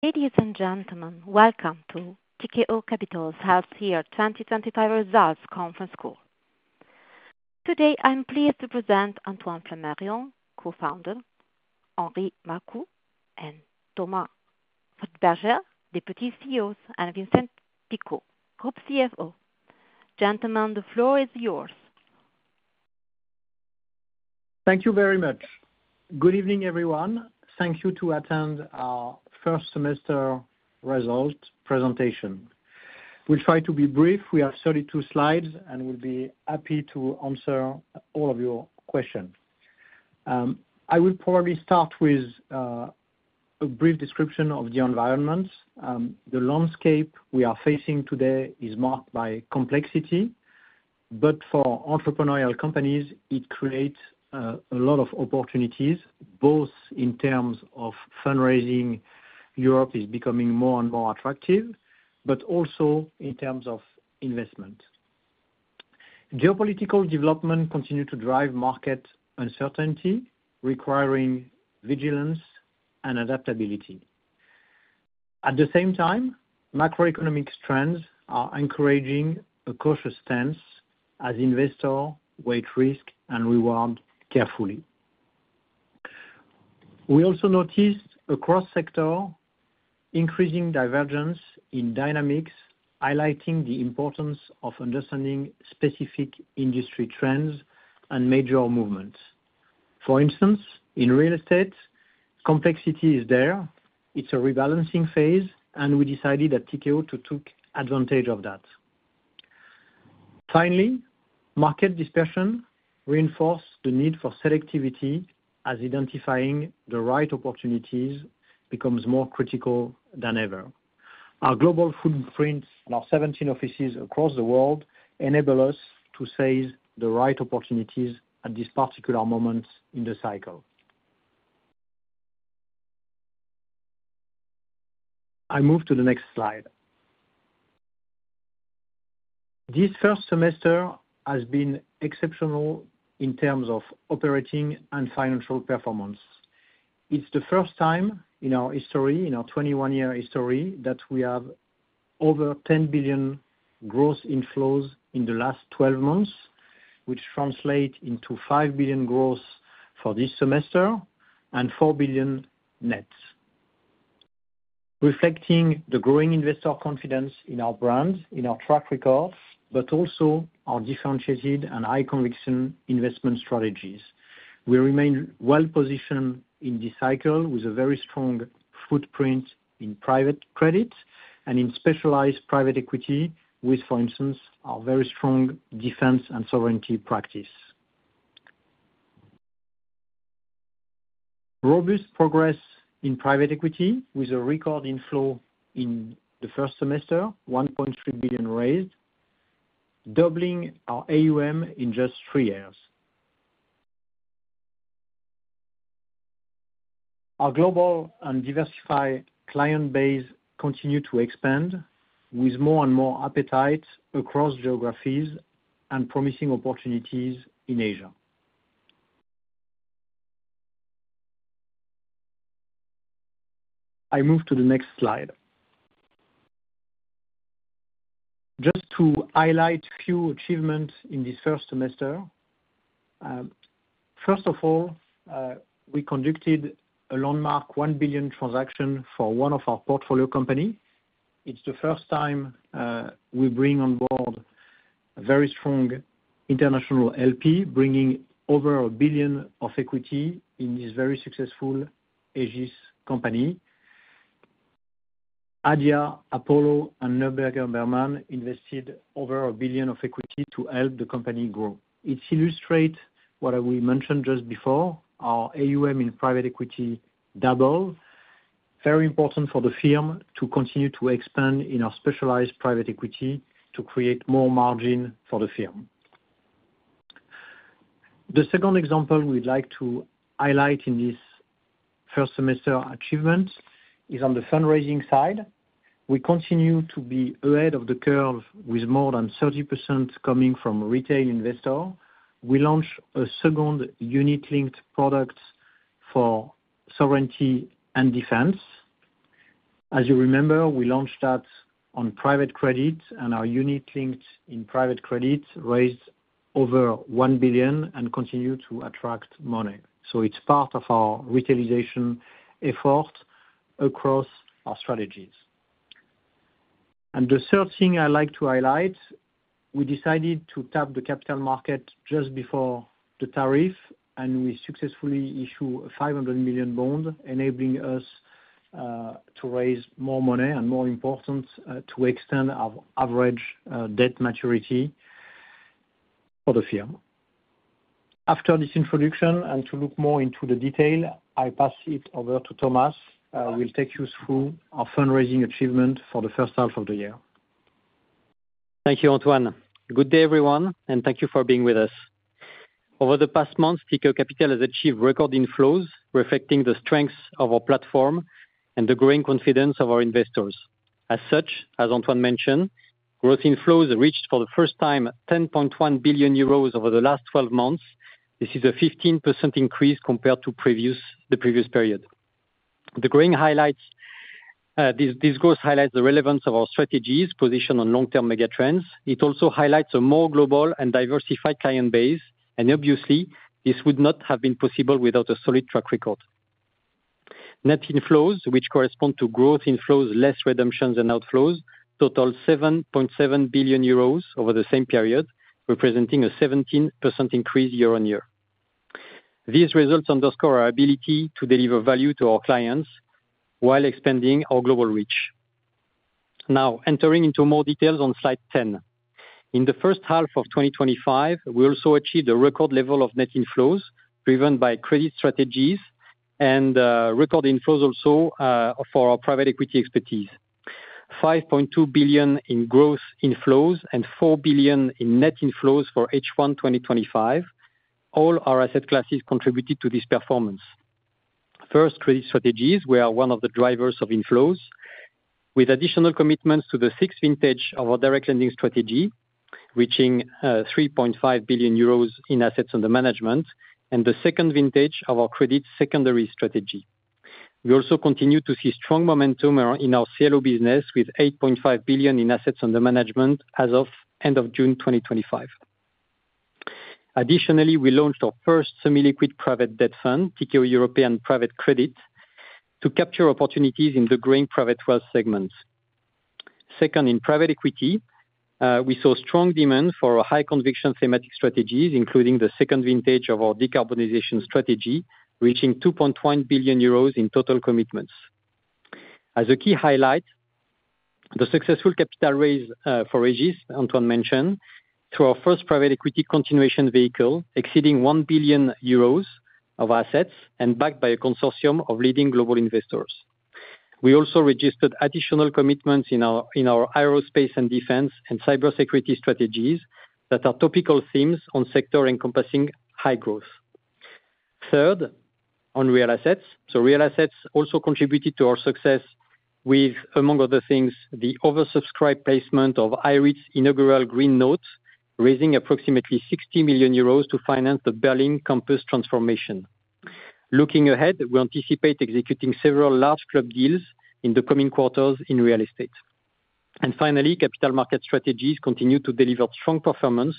Ladies and gentlemen, welcome to Tikehau Capital's Half Year 2025 results conference call. Today I'm pleased to present Antoine Flamarion, Co-founder, Henri Marcoux, and Thomas Friedberger, Deputy CEO, and Vincent Picot, Group CFO. Gentlemen, the floor is yours. Thank you very much. Good evening everyone. Thank you to attend our first semester result presentation, we'll try to be brief. We have 32 slides and we'll be happy to answer all of your questions. I will probably start with a brief description of the environment. The landscape we are facing today is marked by complexity. For entrepreneurial companies, it creates a lot of opportunities both in terms of fundraising. Europe is becoming more and more attractive, but also in terms of investment. Geopolitical development continue to drive market uncertainty, requiring vigilance and adaptability. At the same time, macroeconomic trends are encouraging a cautious stance as investors weigh risk and reward carefully. We also noticed across sectors increasing divergence in dynamics, highlighting the importance of understanding specific industry trends and major movements. For instance, in real estate, complexity is there. It's a rebalancing phase, and we decided at Tikehau to take advantage of that. Finally, market dispersion reinforced the need for selectivity, as identifying the right opportunities becomes more critical than ever. Our global footprint in our 17 offices across the world enables us to seize the right opportunities at this particular moment in the cycle. I move to the next slide. This first semester has been exceptional in terms of operating and financial performance. It's the first time in our history, in our 21-year history, that we have over 10 billion gross inflows in the last 12 months, which translates into 5 billion growth for this semester and 4 billion net, reflecting the growing investor confidence in our brand, in our track record, but also our differentiated and high conviction investment strategies. We remain well positioned in this cycle with a very strong footprint in private credit and in specialized private equity, with, for instance, our very strong defense and sovereignty practice. Robust progress in private equity with a record inflow in the first semester, 1.3 billion raised, doubling our AuM in just three years. Our global and diversified client base continues to expand with more and more appetite across geographies and promising opportunities in Asia. I move to the next slide just to highlight a few achievements in this first semester. First of all, we conducted a landmark 1 billion transaction for one of our portfolio companies. It's the first time we bring on board a very strong international LP bringing over 1 billion of equity in this very successful Egis company. ADIA, Apollo S3, and Neuberger Berman invested over 1 billion of equity to help the company grow. It illustrates what we mentioned just before: our AuM in private equity doubled, very important for the firm to continue to expand in our specialized private equity to create more margin for the firm. The second example we'd like to highlight in this first semester achievement is on the fundraising side. We continue to be ahead of the curve with more than 30% coming from retail investors. We launched a second unit-linked product for sovereignty and defense. As you remember, we launched that on private credit, and our unit-linked in private credit raised over 1 billion and continues to attract money. It's part of our retailization effort across our strategies. The third thing I'd like to highlight, we decided to tap the capital markets just before the tariff, and we successfully issued a 500 million bond, enabling us to raise more money and, more important, to extend our average debt maturity for the firm. After this introduction and to look more into the detail, I pass it over to Thomas. He'll take you through our fundraising achievement for the first half of the year. Thank you Antoine. Good day everyone and thank you for being with us. Over the past month, Tikehau Capital has achieved record inflows, reflecting the strength of our platform and the growing confidence of our investors. As such, as Antoine mentioned, gross inflows reached for the first time 10.1 billion euros over the last 12 months. This is a 15% increase compared to the previous period. This growth highlights the relevance of our strategies positioned on long-term megatrends. It also highlights a more global and diversified client base, and obviously this would not have been possible without a solid track record. Net inflows, which correspond to gross inflows less redemptions and outflows, totaled 7.7 billion euros over the same period, representing a 17% increase year-on-year. These results underscore our ability to deliver value to our clients while expanding our global reach. Now entering into more details on slide 10. In the first half of 2025, we also achieved a record level of net inflows driven by credit strategies and record inflows also for our private equity expertise. 5.2 billion in gross inflows and 4 billion in net inflows for H1 2025. All our asset classes contributed to this performance. First, credit strategies were one of the drivers of inflows, with additional commitments to the sixth vintage of our direct lending strategy, reaching 3.5 billion euros in assets under management and the second vintage of our credit secondary strategy. We also continue to see strong momentum in our CLO business with 8.5 billion in assets under management as of end of June 2025. Additionally, we launched our first semi-liquid Private Debt fund, Tikehau European Private Credit, to capture opportunities in the growing private wealth segments. Second, in private equity, we saw strong demand for our high conviction thematic strategies including the second vintage of our decarbonization strategy, reaching 2.1 billion euros in total commitments. As a key highlight, the successful capital raise for Egis Antoine mentioned through our first private equity continuation vehicle exceeding 1 billion euros of assets and backed by a consortium of leading global investors. We also registered additional commitments in our aerospace and defense and cybersecurity strategies that are topical themes on sector encompassing high growth. Third, on Real Assets, Real Assets also contributed to our success with, among other things, the oversubscribed placement of IREIT's inaugural green note, raising approximately 60 million euros to finance the Berlin campus transformation. Looking ahead, we anticipate executing several large club deals in the coming quarters in real estate. Finally, Capital Markets strategies continue to deliver strong performance,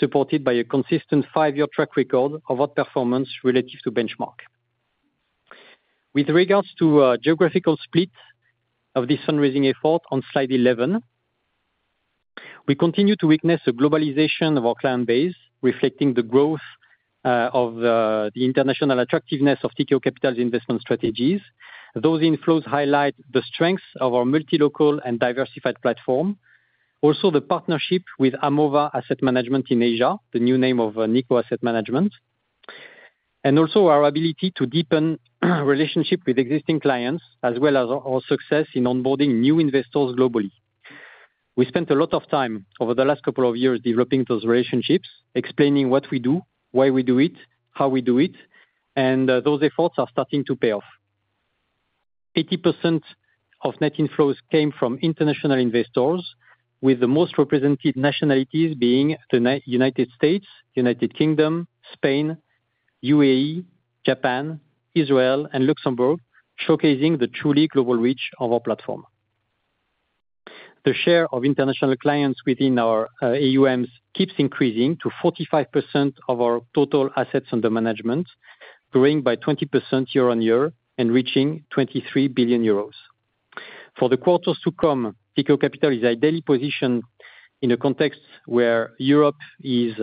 supported by a consistent five-year track record of outperformance relative to benchmark. With regards to the geographical split of this fundraising effort on slide 11, we continue to witness a globalization of our client base, reflecting the growth of the international attractiveness of Tikehau's investment strategies. Those inflows highlight the strength of our multi-local and diversified platform, also the partnership with Amova Asset Management in Asia, the new name of Nikko Asset Management, and also our ability to deepen relationships with existing clients as well as our success in onboarding new investors globally. We spent a lot of time over the last couple of years developing those relationships, explaining what we do, why we do it, how we do it, and those efforts are starting to pay off. 80% of net inflows came from international investors, with the most represented nationalities being the United States, United Kingdom, Spain, UAE, Japan, Israel, and Luxembourg, showcasing the truly global reach of our platform. The share of international clients within our AuM keeps increasing to 45% of our total assets under management, growing by 20% year-on-year and reaching 23 billion euros. For the quarters to come, Tikehau Capital is ideally positioned in a context where Europe is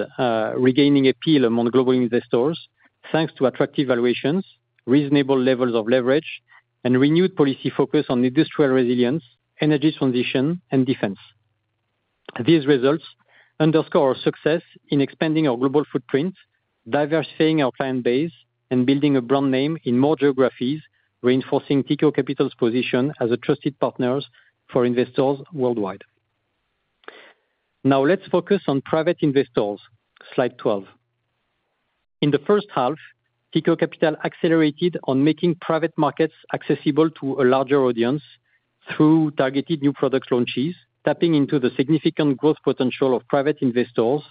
regaining appeal among global investors thanks to attractive valuations, reasonable levels of leverage, and renewed policy focus on industrial resilience, energy transition, and defense. These results underscore our success in expanding our global footprint, diversifying our client base, and building a brand name in more geographies, reinforcing Tikehau Capital's position as a trusted partner for investors worldwide. Now let's focus on private investors. Slide 12. In the first half, Tikehau Capital accelerated on making private markets accessible to a larger audience through targeted new product launches, tapping into the significant growth potential of private investors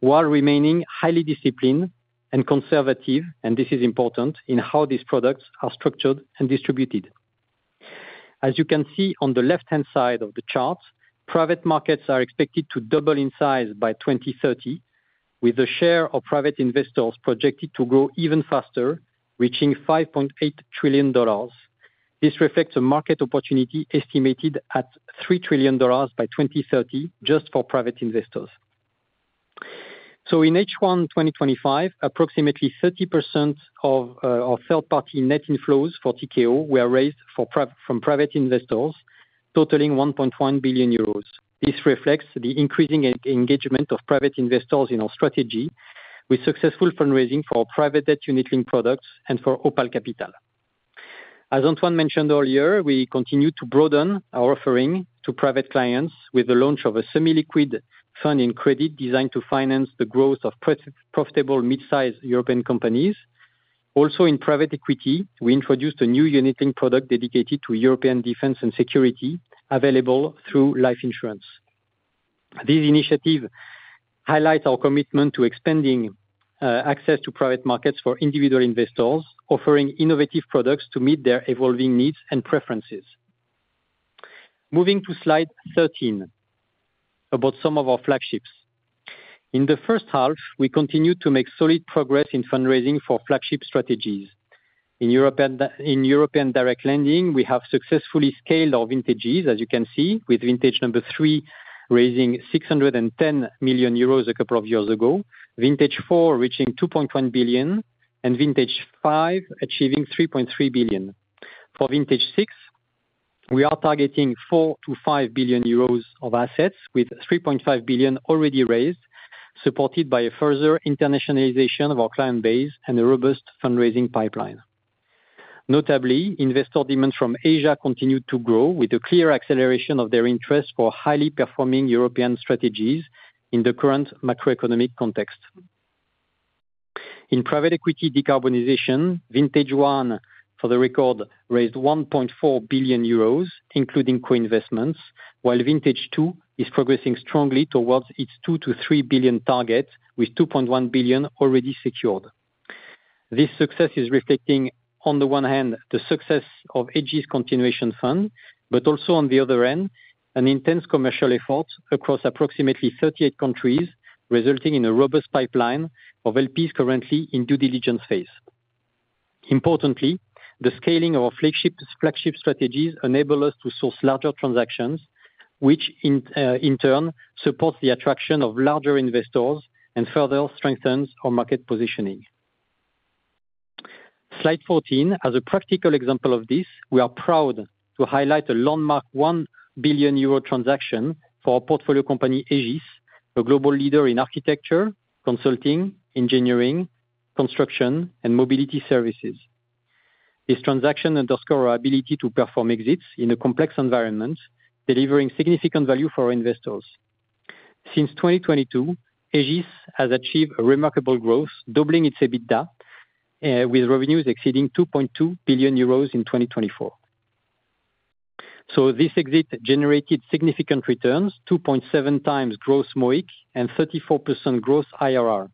while remaining highly disciplined and conservative. This is important in how these products are structured and distributed. As you can see on the left-hand side of the chart, private markets are expected to double in size by 2030 with the share of private investors projected to grow even faster, reaching $5.8 trillion. This reflects a market opportunity estimated at $3 trillion by 2030 just for private investors. In H1 2025, approximately 30% of our third-party net inflows for Tikehau were raised from private investors, totaling 1.1 billion euros. This reflects the increasing engagement of private investors in our strategy, with successful fundraising for private debt, unit-linked products, and for Opale Capital. As Antoine mentioned earlier, we continue to broaden our offering to private clients with the launch of a semi-liquid fund in credit designed to finance the growth of profitable mid-sized European companies. Also, in private equity, we introduced a new unit-linked product dedicated to European defense and security and available through life insurance. This initiative highlights our commitment to expanding access to private markets for individual investors, offering innovative products to meet their evolving needs and preferences. Moving to slide 13 about some of our flagships, in the first half we continued to make solid progress in fundraising for flagship strategies in European Direct Lending. We have successfully scaled our vintages, as you can see, with vintage number three raising 610 million euros a couple of years ago, vintage four reaching 2.1 billion, and vintage five achieving 3.3 billion. For vintage six, we are targeting 4 billion-5 billion euros of assets, with 3.5 billion already raised, supported by a further internationalization of our client base and a robust fundraising pipeline. Notably, investor demand from Asia continued to grow, with a clear acceleration of their interest for highly performing European strategies in the current macroeconomic context. In private equity decarbonization, Vintage one for the record raised 1.4 billion euros including co-investments, while Vintage two is progressing strongly towards its 2 billion-3 billion target, with 2.1 billion already secured. This success is reflecting on the one hand the success of Egis's continuation vehicle, but also on the other hand an intense commercial effort across approximately 38 countries, resulting in a robust pipeline of LPs currently in due diligence phase. Importantly, the scaling of our flagship strategies enable us to source larger transactions, which in turn supports the attraction of larger investors and further strengthens our market positioning. As a practical example of this, we are proud to highlight a landmark 1 billion euro transaction for our portfolio company Egis, a global leader in architecture, consulting, engineering, construction, and mobility services. This transaction underscores our ability to perform exits in a complex environment, delivering significant value for our investors. Since 2022, Egis has achieved remarkable growth, doubling its EBITDA with revenues exceeding 2.2 billion euros in 2024. This exit generated significant returns: 2.7x gross MOIC and 34% gross IRR.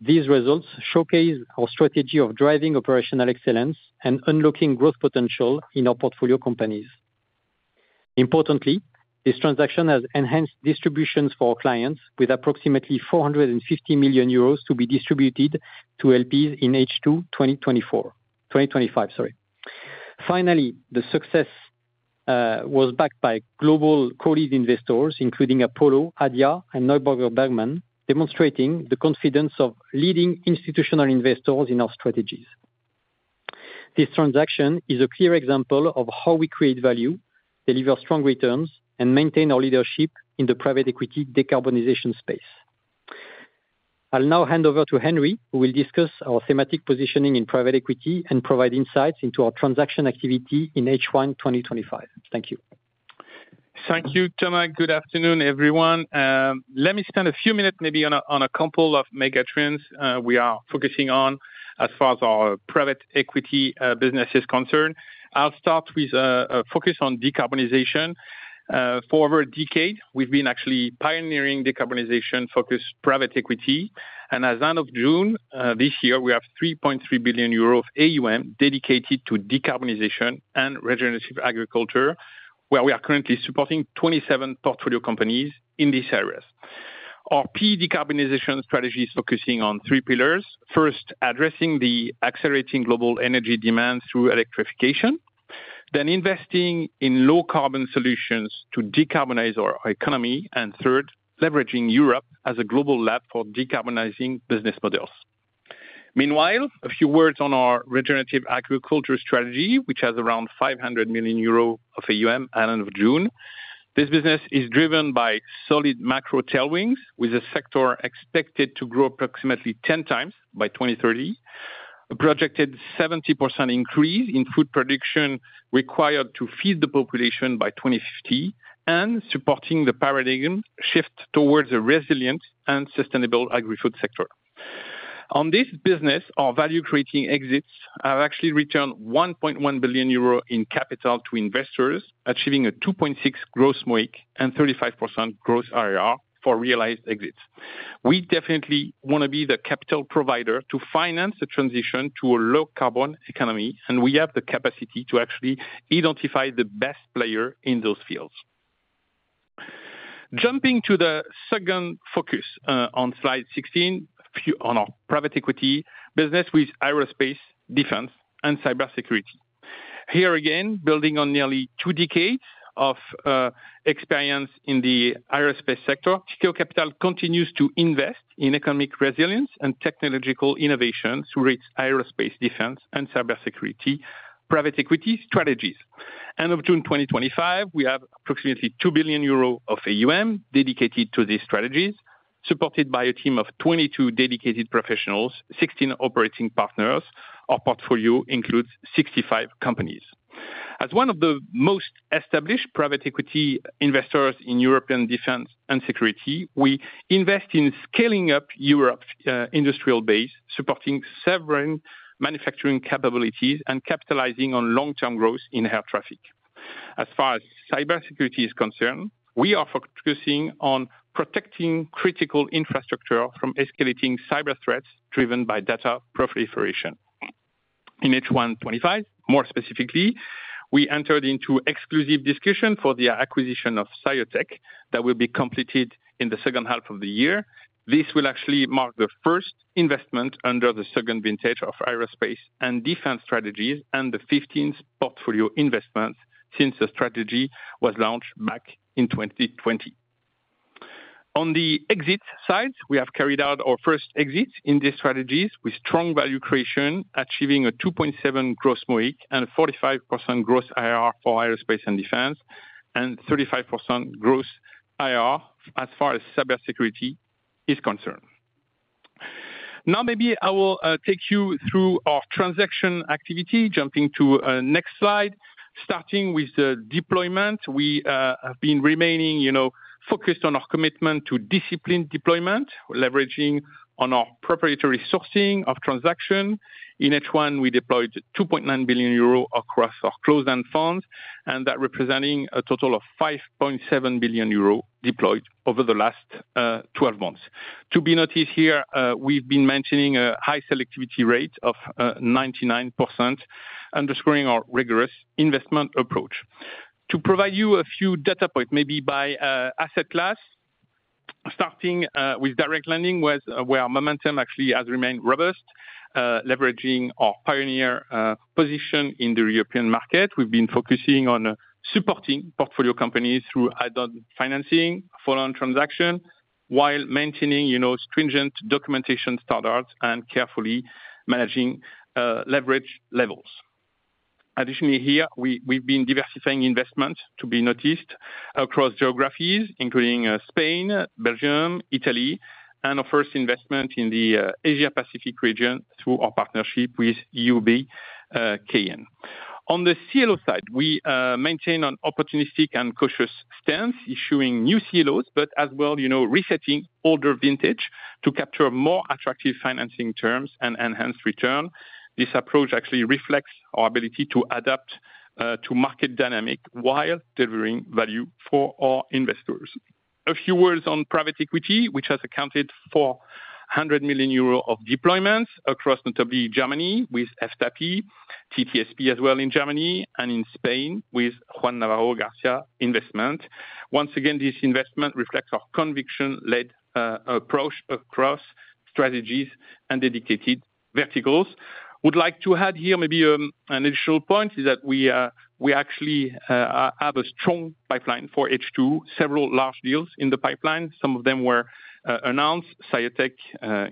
These results showcase our strategy of driving operational excellence and unlocking growth potential in our portfolio companies. Importantly, this transaction has enhanced distributions for clients, with approximately 450 million euros to be distributed to LPs in H2 2024–2025. Finally, the success was backed by global colleague investors including Apollo S3, ADIA, and Neuberger Berman, demonstrating the confidence of leading institutional investors in our strategies. This transaction is a clear example of how we create value, deliver strong returns, and maintain our leadership in the private equity decarbonization space. I'll now hand over to Henri, who will discuss our thematic positioning in private equity and provide insights into our transaction activity in H1 2025. Thank you. Thank you, Thomas. Good afternoon everyone. Let me spend a few minutes maybe on a couple of megatrends we are focusing on as far as our private equity business is concerned. I'll start with a focus on decarbonization. For over a decade we've been actually pioneering decarbonization focused private equity and as of end of June this year we have 3.3 billion euros of AuM dedicated to decarbonization and regenerative agriculture where we are currently supporting 27 portfolio companies in these areas. Our private equity decarbonization strategy is focusing on three pillars. First, addressing the accelerating global energy demand through electrification, then investing in low carbon solutions to decarbonize our economy, and third, leveraging Europe as a global lab for decarbonizing business models. Meanwhile, a few words on our regenerative agriculture strategy which has around 500 million euros of AuM at the end of June. This business is driven by solid macro tailwinds with a sector expected to grow approximately 10x by 2030, a projected 70% increase in food production required to feed the population by 2050, and supporting the paradigm shift towards a resilient and sustainable agri-food sector. On this business, our value creating exits have actually returned 1.1 billion euro in capital to investors, achieving a 2.6x gross MOIC and 35% gross IRR for realized exits. We definitely want to be the capital provider to finance the transition to a low carbon economy and we have the capacity to actually identify the best player in those fields. Jumping to the second focus on slide 16 on our private equity business with aerospace, defense and cybersecurity. Here again, building on nearly two decades of experience in the aerospace sector, Tikehau Capital continues to invest in economic resilience and technological innovation through its aerospace, defense and cybersecurity private equity strategies. As of end of June 2025 we have approximately 2 billion euros of AuM dedicated to these strategies, supported by a team of 22 dedicated professionals and 16 operating partners. Our portfolio includes 65 companies. As one of the most established private equity investors in European defense and security, we invest in scaling up Europe's industrial base, supporting seven manufacturing capabilities and capitalizing on long term growth in air traffic. As far as cybersecurity is concerned, we are focusing on protecting critical infrastructure from escalating cyber threats driven by data proliferation in H1 2025. More specifically, we entered into exclusive discussion for the acquisition of ScioTeq that will be completed in the second half of the year. This will actually mark the first investment under the second vintage of Aerospace and Defense strategies and the 15th portfolio investment since the strategy was launched back in 2020. On the exit side, we have carried out our first exit in these strategies with strong value creation, achieving a 2.7x gross MOIC and a 45% gross IRR for Aerospace and Defense and 35% gross IRR as far as cybersecurity is concerned. Now maybe I will take you through our transaction activity. Jumping to next slide starting with deployment, we have been remaining focused on our commitment to disciplined deployment, leveraging on our proprietary sourcing of transactions. In H1, we deployed 2.9 billion euro across our closed-end funds and that represents a total of 5.7 billion euro deployed over the last 12 months. To be noticed here, we've been mentioning a high selectivity rate of 99%, underscoring our rigorous investment approach. To provide you a few data points maybe by asset class, starting with direct lending where momentum actually has remained robust. Leveraging our pioneer position in the European market, we've been focusing on supporting portfolio companies through add-on financing, follow-on transactions while maintaining stringent documentation standards and carefully managing leverage levels. Additionally, here we've been diversifying investment to be noticed across geographies including Spain, Belgium, Italy, and our first investment in the Asia Pacific region through our partnership with [UB Cayenne]. On the CLO side, we maintain an opportunistic and cautious stance, issuing new CLOs but as well resetting older vintages to capture more attractive financing terms and enhanced return. This approach actually reflects our ability to adapt to market dynamics while delivering value for our investors. A few words on private equity, which has accounted for 100 million euros of deployments across notably Germany with FTAPI, TTSP as well in Germany, and in Spain with Juan Navarro García Investment. Once again, this investment reflects our conviction-led approach across strategies and dedicated verticals. Would like to add here. Maybe an additional point is that we actually have a strong pipeline for H2. Several large deals in the pipeline, some of them were announced: ScioTeq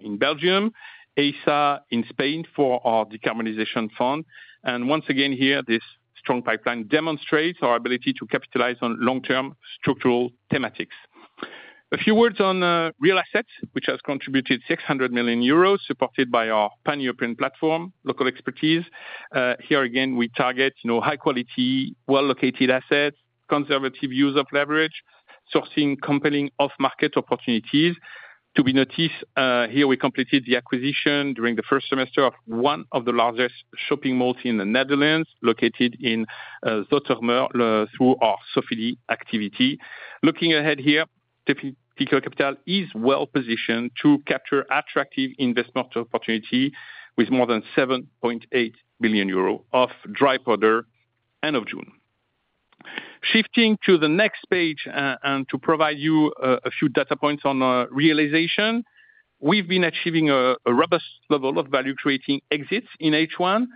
in Belgium, EYSA in Spain for our decarbonization fund, and once again here this strong pipeline demonstrates our ability to capitalize on long-term structural thematics. A few words on real assets, which has contributed 600 million euros, supported by our pan-European platform and local expertise. Here again, we target high-quality, well-located assets, conservative use of leverage, sourcing compelling off-market opportunities. To be noticed here, we completed the acquisition during the first semester of one of the largest shopping malls in the Netherlands, located in Zoetermeer, through our Sofidy activity. Looking ahead here, Tikehau Capital is well positioned to capture attractive investment opportunity with more than 7.8 billion euro of dry powder at the end of June. Shifting to the next page and to provide you a few data points on realization, we've been achieving a robust level of value-creating exits in H1,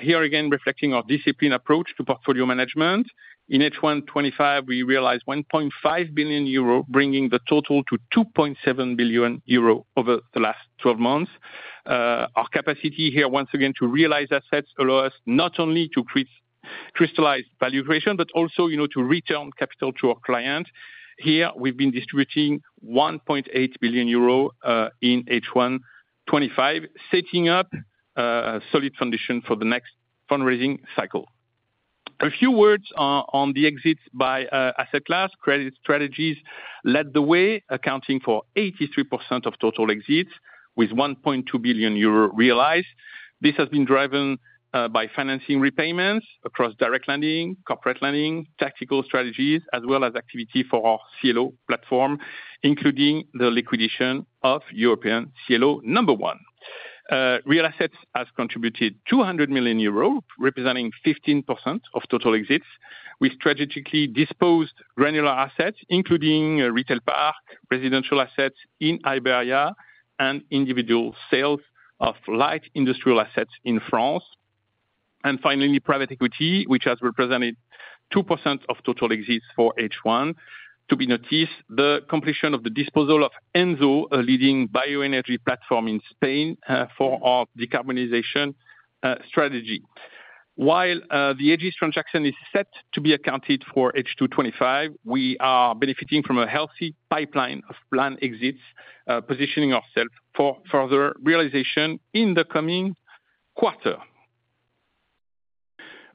here again reflecting our disciplined approach to portfolio management. In H1 2025, we realized 1.5 billion euro, bringing the total to 2.7 billion euro over the last 12 months. Our capacity here once again to realize assets allows us not only to crystallize value creation but also to return capital to our client. Here we've been distributing 1.8 billion euro in H1 2025, setting up a solid foundation for the next fundraising cycle. A few words on the exits by asset class: credit strategies led the way, accounting for 83% of total exits with 1.2 billion euro realized. This has been driven by financing repayments across direct lending, corporate lending, tactical strategies, as well as activity for our CLO platform, including the liquidation of European CLO number one. Real assets has contributed 200 million euros, representing 15% of total exits. We strategically disposed granular assets, including retail park residential assets in Iberia and individual sales of light industrial assets in France. Finally, private equity has represented 2% of total exits for H1. To be noticed, the completion of the disposal of ENSO, a leading bioenergy platform in Spain for our decarbonization strategy. While the Egis transaction is set to be accounted for in H2 2025, we are benefiting from a healthy pipeline of planned exits, positioning ourselves for further realization in the coming quarter.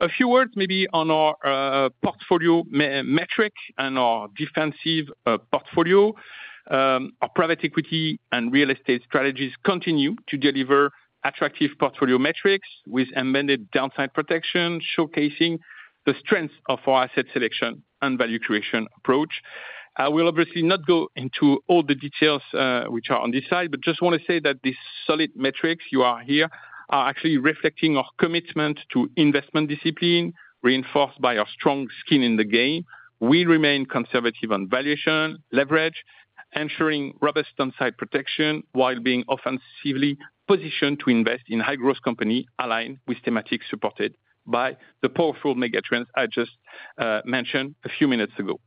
A few words maybe on our portfolio metric and our defensive portfolio. Our private equity and real estate strategies continue to deliver attractive portfolio metrics with amended downside protection, showcasing the strength of our asset selection and value creation approach. I will obviously not go into all the details which are on this slide, but just want to say that these solid metrics you hear are actually reflecting our commitment to investment discipline reinforced by our strong skin in the game. We remain conservative on valuation leverage, ensuring robust on-site protection while being offensively positioned to invest in high growth companies aligned with thematic supported by the powerful megatrends I just mentioned a few minutes ago.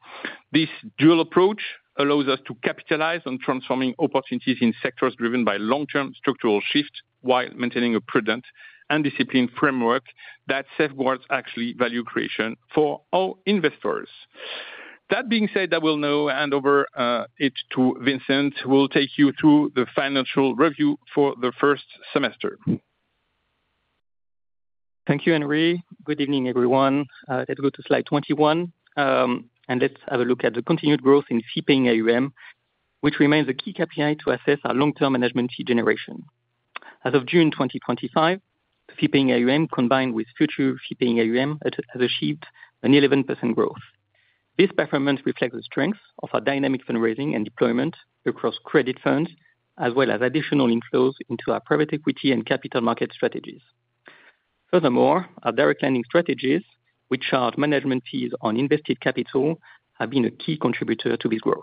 This dual approach allows us to capitalize on transforming opportunities in sectors driven by long-term structural shift while maintaining a prudent and disciplined framework that safeguards actually value creation for all investors. That being said, I will now hand over to Vincent who will take you through the financial review for the first semester. Thank you Henri. Good evening everyone. Let's go to slide 21 and let's have a look at the continued growth in fee-paying AuM, which remains a key KPI to assess our long-term management fee generation. As of June 2025, fee-paying AuM combined with future fee-paying AuM has achieved an 11% growth. This performance reflects the strength of our dynamic fundraising and deployment across credit funds, as well as additional inflows into our private equity and capital markets strategies. Furthermore, our direct lending strategies, which charge management fees on invested capital, have been a key contributor to this growth.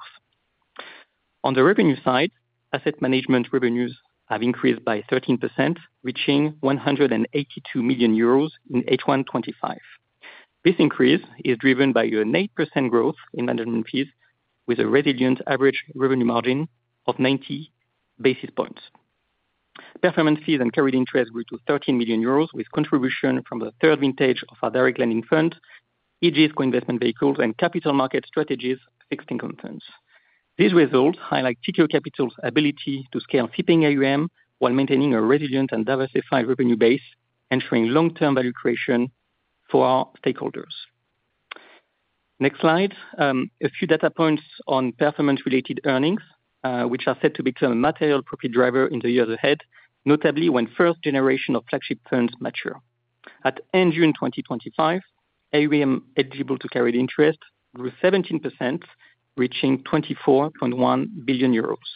On the revenue side, asset management revenues have increased by 13%, reaching 182 million euros in H1 2025. This increase is driven by an 8% growth in management fees, with a resilient average revenue margin of 90 basis points. Performance fees and carried interest grew to 13 million euros, with contribution from the third vintage of our direct lending fund, Egis investment vehicles, and capital markets strategies fixed income funds. These results highlight Tikehau Capital's ability to scale fee-paying AuM while maintaining a resilient and diversified revenue base, ensuring long-term value creation for our stakeholders. Next slide, a few data points on performance-related earnings, which are set to become a material profit driver in the years ahead. Notably, when the first generation of flagship funds mature at end June 2025, AuM eligible to carry interest grew 17%, reaching 24.1 billion euros.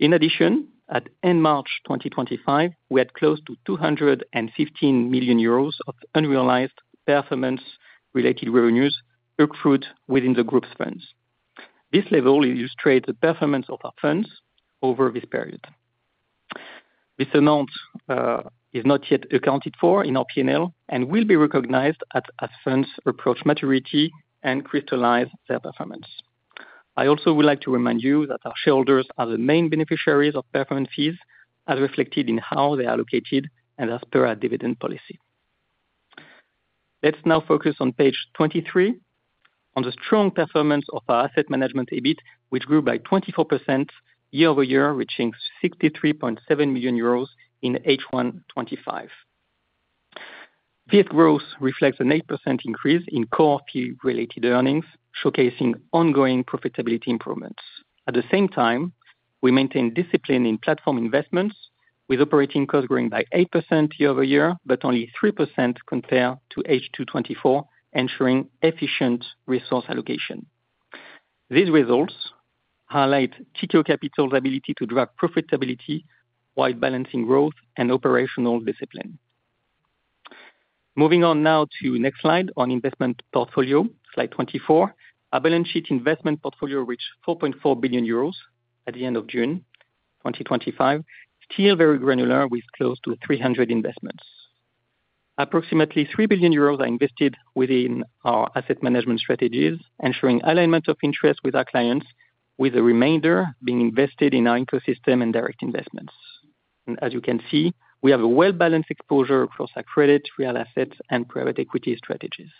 In addition, at end March 2025, we had close to 215 million euros of unrealized performance-related revenues accrued within the group's funds. This level illustrates the performance of our funds over this period. This amount is not yet accounted for in our P&L and will be recognized as funds approach maturity and crystallize their performance. I also would like to remind you that our shareholders are the main beneficiaries of performance fees, as reflected in how they are allocated and as per our dividend policy. Let's now focus on page 23 on the strong performance of our asset management EBIT, which grew by 24% year-over-year, reaching EUR 63.7 million in H1 2025. This growth reflects an 8% increase in core fee-related earnings, showcasing ongoing profitability improvements. At the same time, we maintained discipline in platform investments, with operating costs growing by 8% year-over-year but only 3% compared to H2 2024, ensuring efficient resource allocation. These results highlight Tikehau Capital's ability to drive profitability while balancing growth and operational discipline. Moving on now to next slide on investment portfolio slide 24. Our balance sheet investment portfolio reached 4.4 billion euros at the end of June 2025, still very granular with close to 300 investments. Approximately 3 billion euros are invested within our asset management strategies, ensuring alignment of interest with our clients, with the remainder being invested in our ecosystem and direct investments. As you can see, we have a well-balanced exposure across our credit, real assets, and private equity strategies.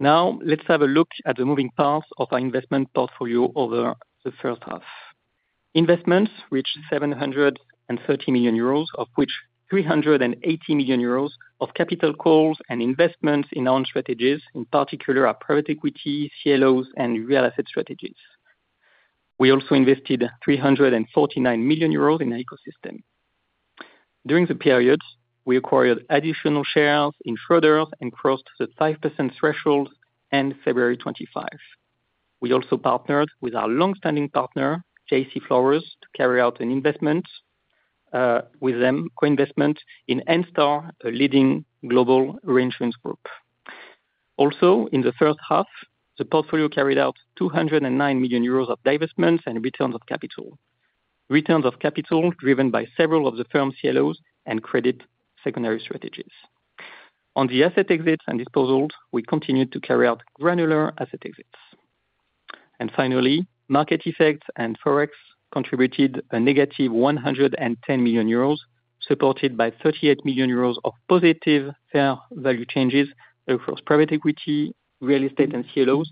Now let's have a look at the moving parts of our investment portfolio. Over the first half, investments reached 730 million euros, of which 380 million euros of capital calls and investments in our strategies, in particular our private equity CLOs and real asset strategies. We also invested 349 million euros in ecosystem during the period. We acquired additional shares in Schroders and crossed the 5% threshold end February 25th. We also partnered with our long-standing partner J.C. Flowers to carry out an investment with them, co-investment in Enstar, a leading global reinsurance group. Also in the first half, the portfolio carried out 209 million euros of divestments and returns of capital, returns of capital driven by several of the firm's CLOs and credit secondary strategies on the asset exits and disposals. We continued to carry out granular asset exits and finally, market effect and forex contributed a negative 110 million euros, supported by 38 million euros of positive fair value changes across private equity, real estate, and CLOs,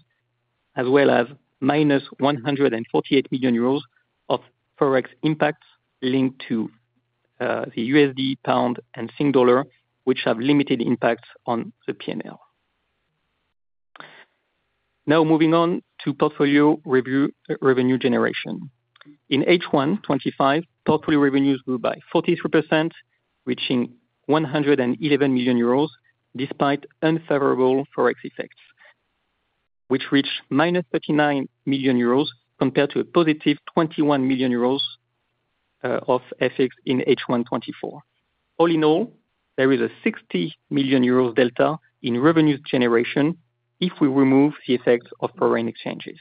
as well as -148 million euros of forex impacts linked to the USD, GBP, and Sing dollar, which have limited impacts on the P&L. Now moving on to portfolio revenue generation. In H1 2025, portfolio revenues grew by 43%, reaching 111 million euros despite unfavorable forex effects, which reached -39 million euros compared to a positive 21 million euros of effects in H1 2024. All in all, there is a 60 million euros delta in revenues generation if we remove the effects of foreign exchanges.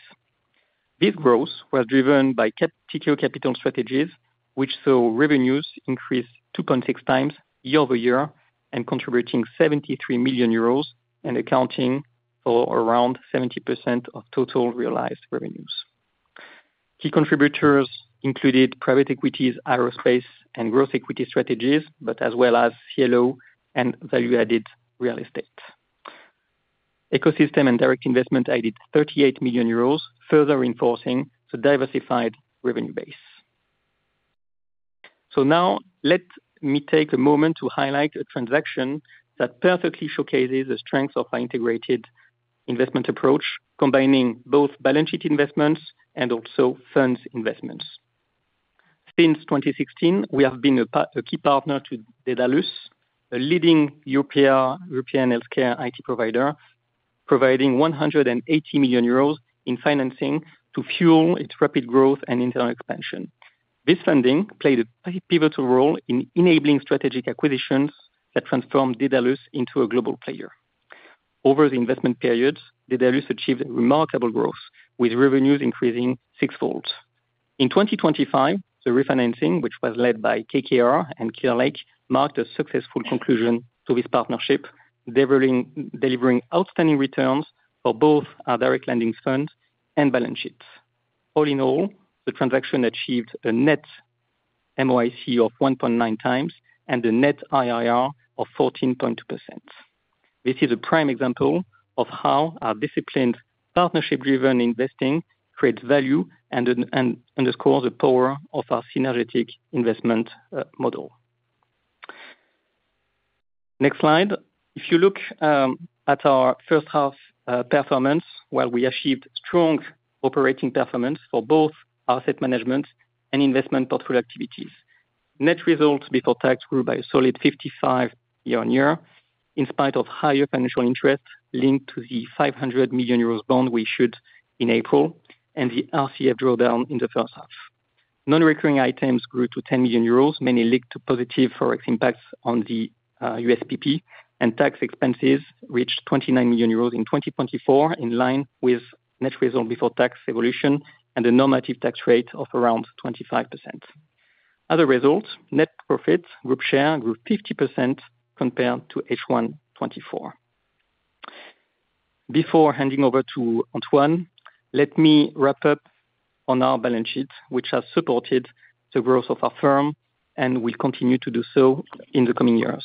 This growth was driven by Tikehau Capital Strategies, which saw revenues increase 2.6x year-over-year and contributing 73 million euros and accounting for around 70% of total realized revenues. Key contributors included private equity, aerospace and growth equity strategies, as well as CLO and value-added real assets. Ecosystem and direct investments added 38 million euros, further reinforcing the diversified revenue base. Now let me take a moment to highlight a transaction that perfectly showcases the strength of our integrated investment approach, combining both balance sheet investments and also funds investments. Since 2016, we have been a key partner to a leading European healthcare IT provider, providing 180 million euros in financing to fuel its rapid growth and internal expansion. This funding played a pivotal role in enabling strategic acquisitions that transformed Dedalus into a global player. Over the investment period, Dedalus achieved remarkable growth with revenues increasing sixfold in 2025. The refinancing, which was led by KKR and ClearLake, marked a successful conclusion to this partnership, delivering outstanding returns for both our direct lending fund and balance sheet. All in all, the transaction achieved a net MOIC of 1.9x and a net IRR of 14.2%. This is a prime example of how our disciplined, partnership-driven investing creates value and underscores the power of our synergetic investment model. Next slide. If you look at our first half performance, we achieved strong operating performance for both asset management and investment portfolio activities. Net result before tax grew by a solid 55% year-on-year in spite of higher financial interest linked to the 500 million euros bond we issued in April and the RCF drawdown. In the first half, non-recurring items grew to 10 million euros, mainly linked to positive forex impacts on the USPP. Tax expenses reached 29 million euros in 2024, in line with net result before tax evolution and a normative tax rate of around 25%. As a result, net profit group share grew 50% compared to H1 2024. Before handing over to Antoine, let me wrap up on our balance sheet, which has supported the growth of our firm and will continue to do so in the coming years.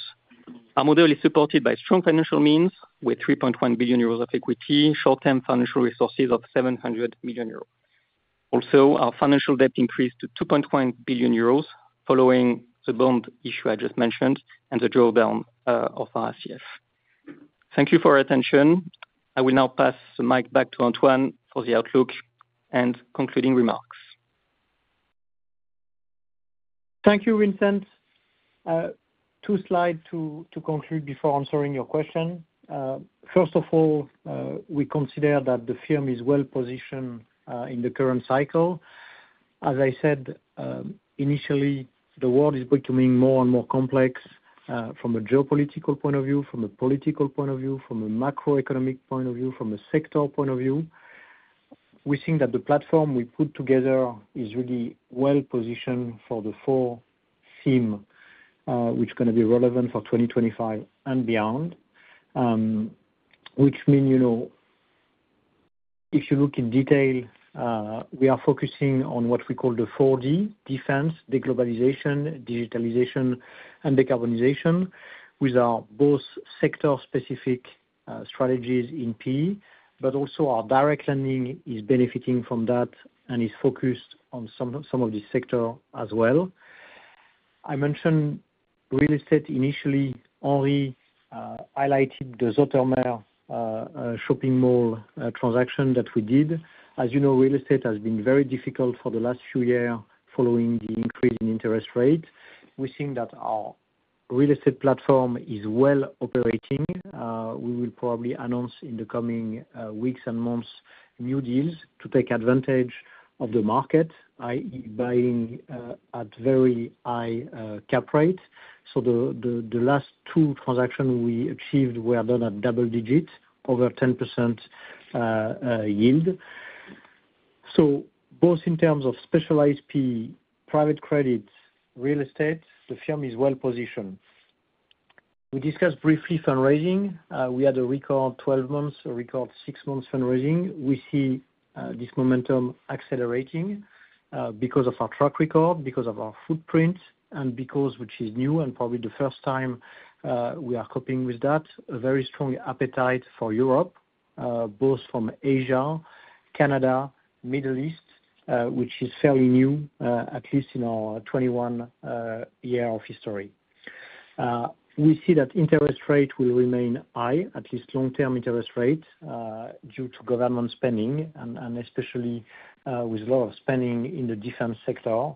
Our model is supported by strong financial means with 3.1 billion euros of equity and short-term financial resources of 700 million euros. Our financial debt increased to 2.1 billion euros following the bond issue I just mentioned and the drawdown of RCF. Thank you for your attention. I will now pass the mic back to Antoine for the outlook and concluding remarks. Thank you, Vincent. Two slides to conclude before answering your question. First of all, we consider that the firm is well positioned in the current cycle. As I said initially, the world is becoming more and more complex. From a geopolitical point of view, from a political point of view, from a macroeconomic point of view, from a sector point of view. We think that the platform we put together is really well positioned for the four theme which going to be relevant for 2025 and beyond, which mean, you know, if you look in detail, we are focusing on what we call the 4D: defense, deglobalization, digitalization, and decarbonization, which are both sector specific strategies in private equity. Also, our direct lending is benefiting from that and is focused on some of these sectors as well. I mentioned real estate initially. Henri highlighted the Zoetermeer shopping mall transaction that we did. As you know, real estate has been very difficult for the last few years following the increase in interest rates. We think that our real estate platform is well operating. We will probably announce in the coming weeks and months new deals to take advantage of the market that is buying at very high cap rate. The last two transactions we achieved were done at double digit, over 10% yield. Both in terms of specialized private equity, private credit, real assets, the firm is well positioned. We discussed briefly fundraising. We had a record 12 months, a record six months fundraising. We see this momentum accelerating because of our track record, because of our footprint, and because, which is new and probably the first time we are coping with that, a very strong appetite for Europe, both from Asia, Canada, Middle East, which is fairly new. At least in our 21 year of history, we see that interest rates will remain high, at least long term interest rates due to government spending and especially with a lot of spending in the defense sector,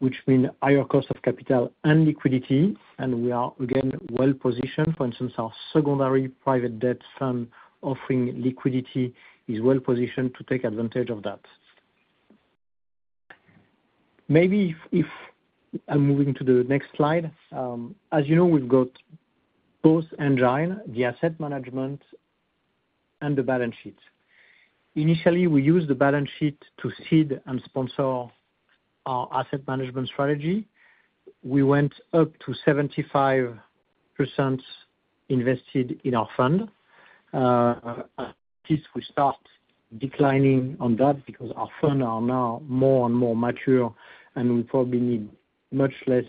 which means higher cost of capital and liquidity. We are again well positioned. For instance, our secondary Private Debt fund offering liquidity is well positioned to take advantage of that. Maybe if I'm moving to the next slide. As you know, we've got both engine, the asset management and the balance sheet. Initially, we used the balance sheet to seed and sponsor our asset management strategy. We went up to 75% invested in our fund. If we start declining on that, because our funds are now more and more mature and we probably need much less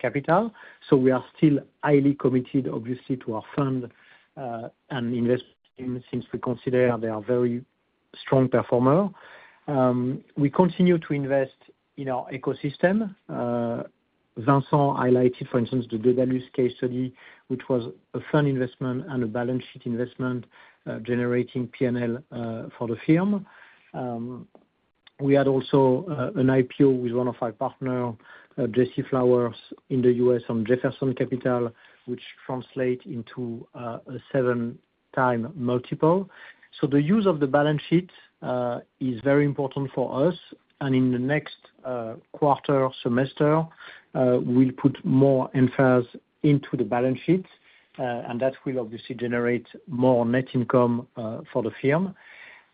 capital. We are still highly committed obviously to our fund and invest. Since we consider they are very strong performer, we continue to invest in our ecosystem. Vincent highlighted for instance the Dedalus case study which was a fund investment and a balance sheet investment generating P&L for the firm. We had also an IPO with one of our partners J.C. Flowers in the U.S. on Jefferson Capital which translates into a 7x multiple. The use of the balance sheet is very important for us and in the next quarter semester we'll put more [NFAs] into the balance sheet and that will obviously generate more net income for the firm.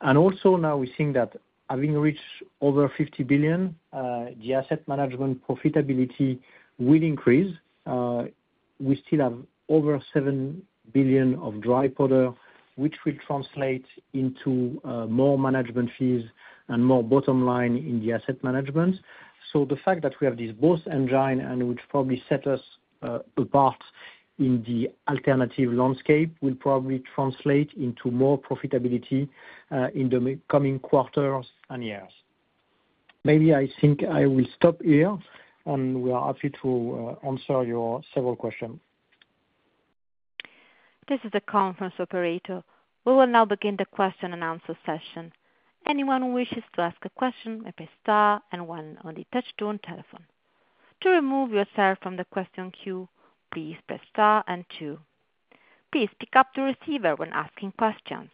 Now we think that having reached over 50 billion the asset management profitability will increase. We still have over 7 billion of dry powder which will translate into more management fees and more bottom line in the asset management. The fact that we have this both engine and which probably set us apart in the alternative landscape will probably translate into more profitability in the coming and years maybe I think I will stop here and we are happy to answer your several questions. This is the conference operator. We will now begin the question and answer session. Anyone who wishes to ask a question may press star and one on the touch tone telephone. To remove yourself from the question queue, please press star and two. Please pick up the receiver when asking questions.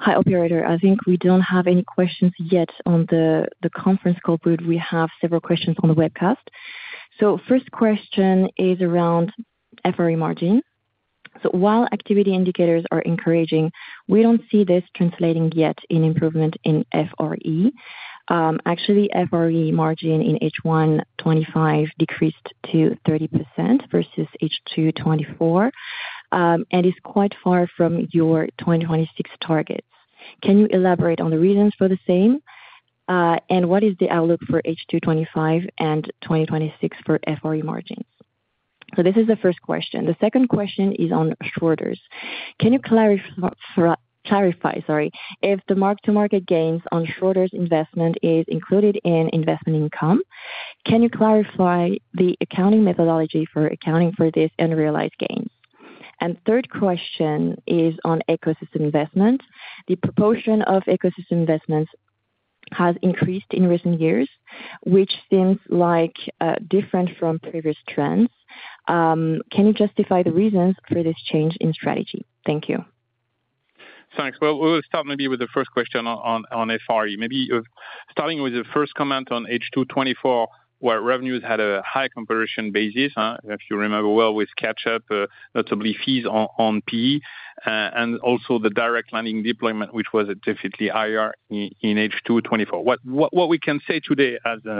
Hi operator, I think we don't have any questions yet on the conference call, but we have several questions on the webcast. First question is around FRE margin. While activity indicators are encouraging, we don't see this translating yet in improvement in FRE. Actually, FRE margin in H1 2025 decreased to 30% versus H2 2024 and is quite far from your 2026 targets. Can you elaborate on the reasons for the same? What is the outlook for H2 2025 and 2026 for FRE margins? This is the first question. The second question is on shorters. Can you clarify if the mark to market gains on shorter investment is included in investment income? Can you clarify the accounting methodology for accounting for this unrealized gains? Third question is on ecosystem investments. The proportion of ecosystem investments has increased in recent years, which seems different from previous trends. Can you justify the reasons for this change in strategy? Thank you. Thanks. We'll start maybe with the first question on FRE. Maybe starting with the first comment on H2 2024 where revenues had a high comparison basis, if you remember well, with catch-up notably fees on Private Equity and also the direct lending deployment, which was definitely higher in H2 2024. What we can say today, as we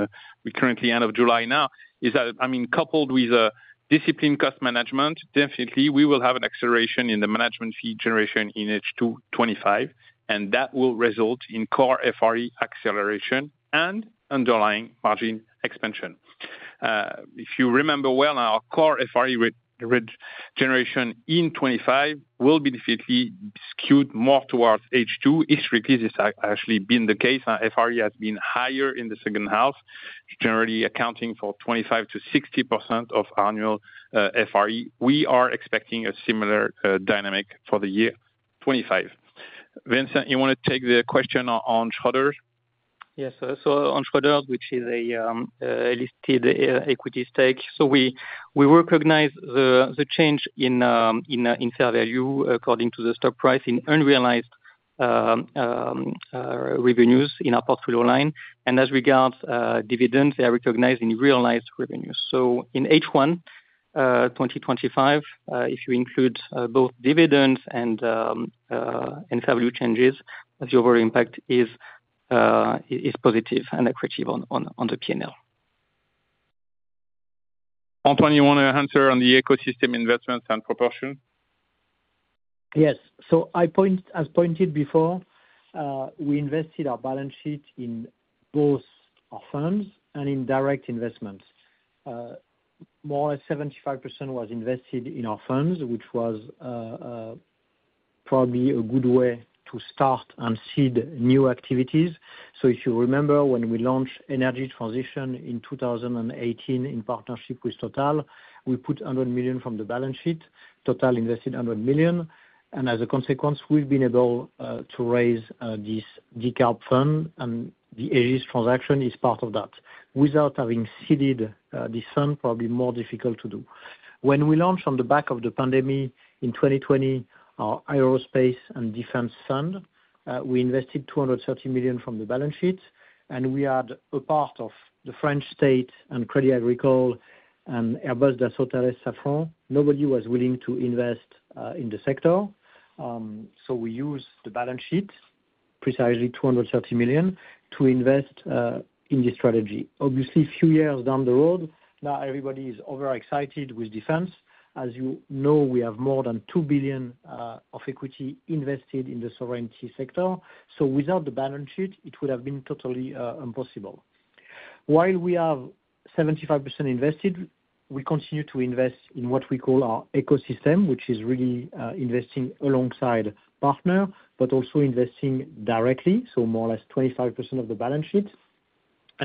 are currently end of July now, is that, I mean, coupled with a disciplined cost management, definitely we will have an acceleration in the management fee generation in H2 2025 and that will result in core FRE acceleration and underlying margin expansion. If you remember well, our core FRE generation in 2025 will be definitely skewed more towards H2. Historically, this has actually been the case. FRE has been higher in the second half, generally accounting for 25%-60% of annual FRE. We are expecting a similar dynamic for the year 2025. Vincent, you want to take the question on [Tradar]? Yes. On [Tradar], which is a listed equity stake, we recognize the change in fair value according to the stock price, in unrealized revenues in our portfolio line. As regards dividends, they are recognized in realized revenues. In H1 2025, if you include both dividends and fair value changes, the overall impact is positive and accretive on the P&L. Antoine, you want to answer on the ecosystem investments and proportion? Yes. As pointed before, we invested our balance sheet in both our funds and in direct investments. More or less 75% was invested in our funds, which was probably a good way to start and seed new activities. If you remember, when we launched energy transition in 2018, in partnership with Total, we put 100 million from the balance sheet, Total invested 100 million and as a consequence we've been able to raise this decarbonization strategy fund and the Egis transaction is part of that without having seeded this fund. Probably more difficult to do. When we launched on the back of the pandemic in 2020, our Aerospace and Defense fund, we invested 230 million from the balance sheet and we had a part of the French State and Crédit Agricole and Airbus, Dassault, Safran. Nobody was willing to invest in the sector. We used the balance sheet, precisely 230 million to invest in this strategy. Obviously, a few years down the road now everybody is overexcited with defense. As you know, we have more than 2 billion of equity invested in the sovereignty sector. Without the balance sheet it would have been totally impossible. While we are 75% invested, we continue to invest in what we call our ecosystem, which is really investing alongside partners, but also investing directly. More or less 25% of the balance sheet.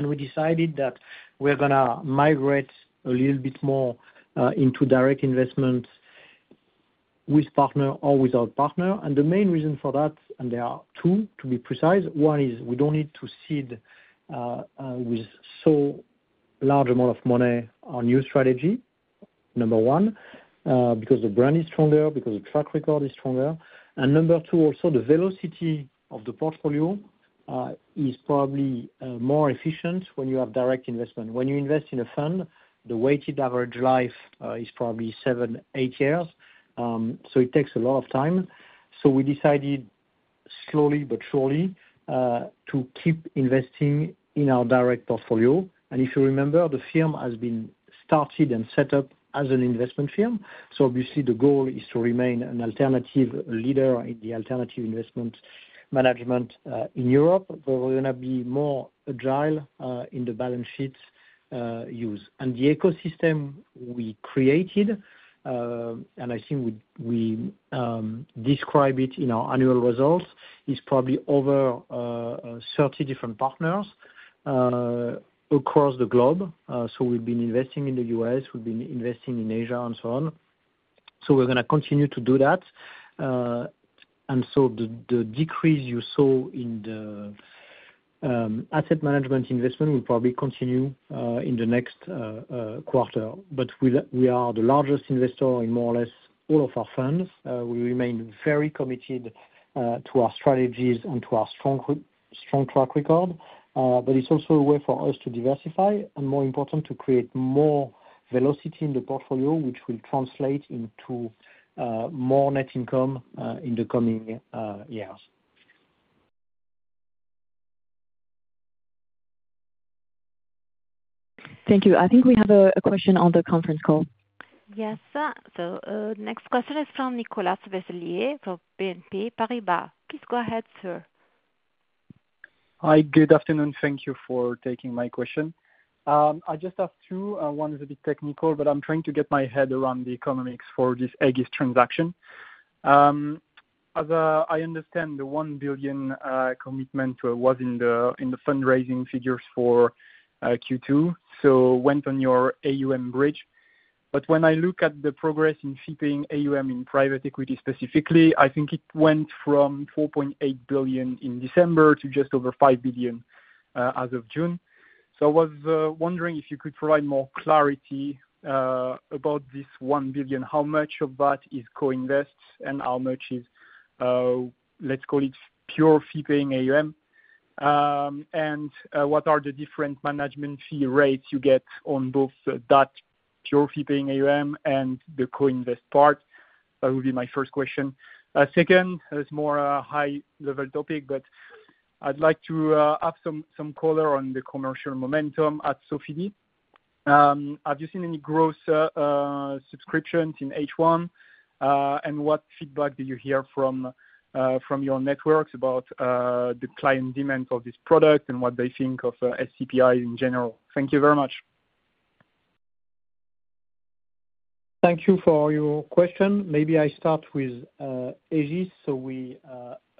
We decided that we're going to migrate a little bit more into direct investment with partner or without partner. The main reason for that, and there are two to be precise. One is we don't need to seed with so large amount of money on new strategy, number one, because the brand is stronger, because the track record is stronger. Number two, also the velocity of the portfolio is probably more efficient when you have direct investment. When you invest in a fund, the weighted average life is probably seven, eight years. It takes a lot of time. We decided slowly but surely to keep investing in our direct portfolio. If you remember, the firm has been started and set up as an investment firm. Obviously the goal is to remain a leader in alternative investment management in Europe. There will be more agile in the balance sheet's use. The ecosystem we created, and I think we describe it in our annual results, is probably over 30 different partners across the globe. We've been investing in the U.S., we've been investing in Asia and so on. We're going to continue to do that. The decrease you saw in the asset management investment will probably continue in the next quarter. We are the largest investor in more or less all of our funds. We remain very committed to our strategies and to our strong track record. It is also a way for us to diversify and, more important, to create more velocity in the portfolio, which will translate into more net income in the coming years. Thank you. I think we have a question on the conference call. Yes. Next question is from [Nicolas Vesselier] from BNP Paribas. Please go ahead, sir. Hi, good afternoon. Thank you for taking my question. I just have two. One is a bit technical, but I'm trying to get my head around the economics for this Egis transaction. As I understand the 1 billion commitment was in the fundraising figures for Q2, so went on your AuM bridge. When I look at the progress in fee-paying AuM in private equity specifically, I think it went from 4.8 billion in December to just over 5 billion as of June. I was wondering if you could provide more clarity about this 1 billion. How much of that is co-invest and how much is, let's call it pure fee-paying AuM, and what are the different management fee rates you get on both that pure fee-paying AuM and the co-invest part? That would be my first question. Second is a more high-level topic. I'd like to have some color on the commercial momentum at Sofidy. Have you seen any gross subscriptions in H1? What feedback do you hear from your networks about the client demand for this product and what they think of SCPI in general? Thank you very much. Thank you for your question. Maybe I start with Egis. We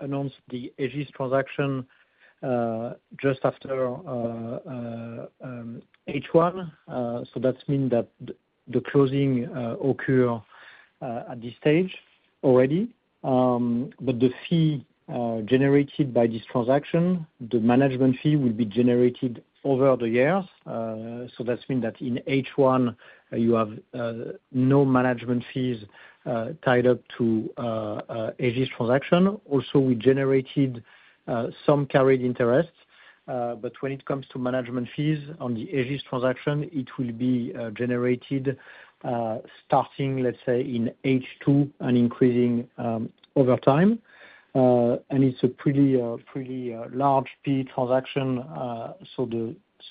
announced the Egis transaction just after H1, which means that the closing occurred at this stage already. The fee generated by this transaction, the management fee, will be generated over the years. This means that in H1 you have no management fees tied up to the Egis transaction. Also, we generated some carried interest. When it comes to management fees on the Egis transaction, it will be generated starting, let's say, in H2 and increasing over time. It is a pretty large PE transaction, so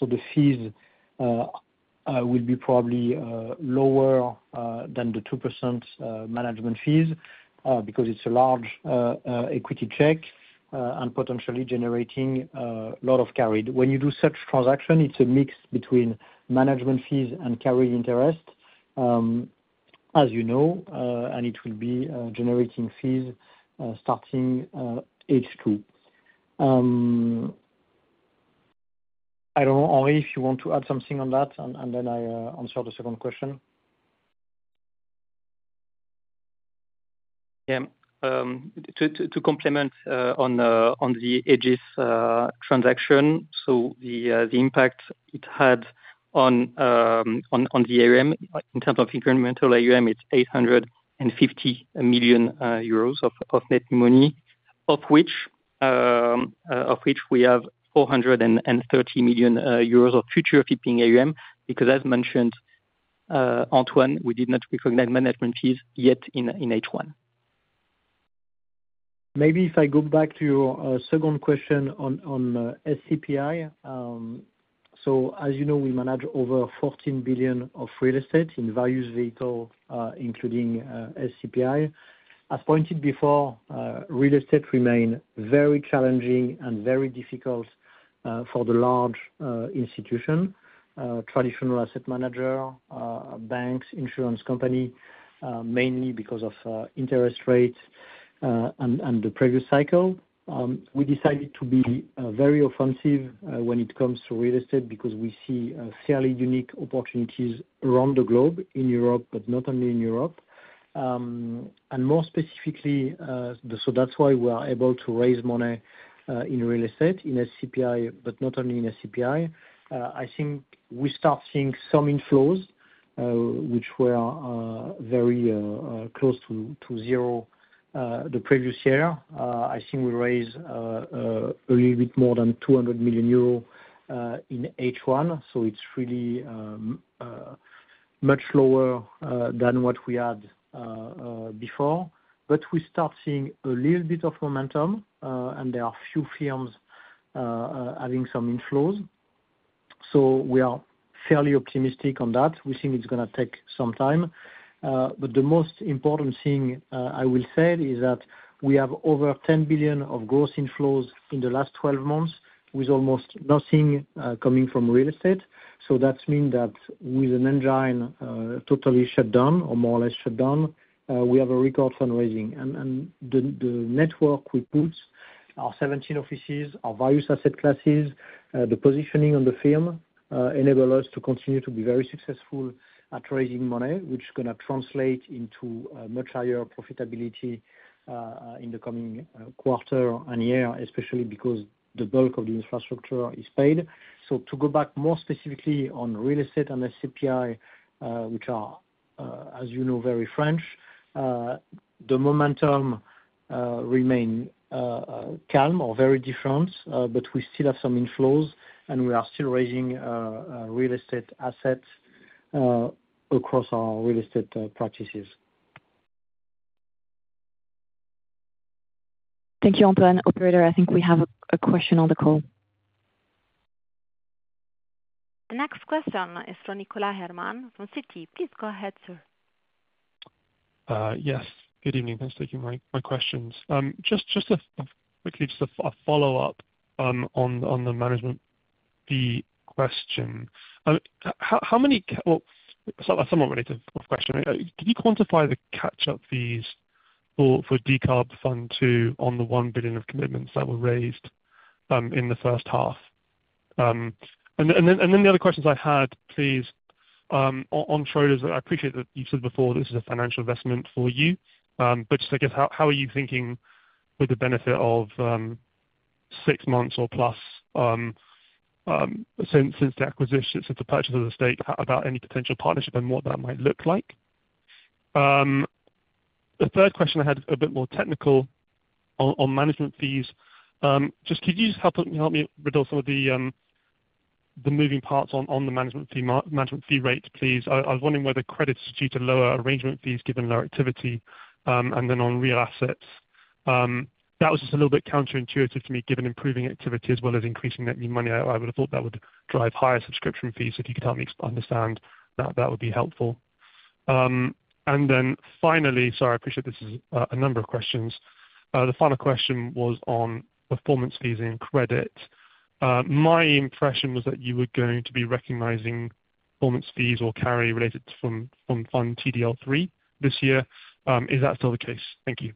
the fees will be probably lower than the 2% management fees because it is a large equity check and potentially generating a lot of carry when you do such a transaction. It is a mix between management fees and carry interest, as you know, and it will be generating fees starting H2. I don't know, Henri, if you want to add something on that. I will answer the second question. Yeah. To complement on the Egis transaction, the impact it had on the AuM in terms of incremental AuM, it's 850 million euros of net money, of which we have 430 million euros of future fee-paying AuM, because as mentioned, Antoine, we did not recognize management fees yet in H1. Maybe if I go back to your second question on SCPI. As you know, we manage over 14 billion of real estate in various vehicles, including SCPI. As pointed before, real estate remains very challenging and very difficult for the large institution, traditional asset manager, banks, insurance company, mainly because of interest rates. In the previous cycle, we decided to be very offensive when it comes to real estate, because we see fairly unique opportunities around the globe in Europe, but not only in Europe and more specifically. That's why we are able to raise money in real estate in SCPI, but not only in SCPI. I think we start seeing some inflows which were very close to zero the previous year. I think we raised a little bit more than 200 million euro in H1. It's really much lower than what we had before, but we start seeing a little bit of momentum and there are few firms having some inflows. We are fairly optimistic on that. We think it's going to take some time. The most important thing I will say is that we have over 10 billion of gross inflows in the last 12 months with almost nothing coming from real estate. That means that with an engine totally shut down, or more or less shut down, we have a record fundraising and the network we put, our 17 offices, our various asset classes, the positioning on the firm enable us to continue to be very successful at raising money which is going to translate into much higher profitability in the coming quarter and year, especially because the bulk of the infrastructure is paid. To go back more specifically on real estate and the SCPI, which are, as you know, very French, the momentum remain calm or very different, but we still have some inflows and we are still raising real estate assets across our real estate practices. Thank you, Antoine. Operator, I think we have a question on the call. The next question is from Nicholas Herman from Citi. Please go ahead, sir. Yes, good evening. Thanks for taking my questions. Just quickly, a follow up on the management fee question. Somewhat related question, can you quantify the catch up fees for decarb fund two on the 1 billion of commitments that were raised in the first half? The other questions I had, please, on Schroders. I appreciate that you said before this is a financial investment for you, but how are you thinking with the benefit of six months or plus. Since the acquisition, since the purchase of the stake, about any potential partnership and what that might look like. The third question I had a bit. More technical on management fees. Could you just help me with some of the moving parts on the management fee rate please? I was wondering whether credit is due to lower arrangement fees given lower activity, and then on real assets that was just a little bit counterintuitive to me. Given improving activity as well as increasing net new money, I would have thought that would drive higher subscription fees. If you could help me understand that, that would be helpful. Finally, sorry I appreciate this is a number of questions. The final question was on performance fees and credit. My impression was that you were going to be recognizing performance fees or carry related from [Fund TDL3] this year. Is that still the case? Thank you.